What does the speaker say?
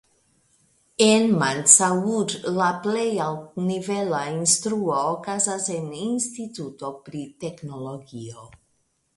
En Mandsaur la plej altnivela instruo okazas en instituto pri teknologio.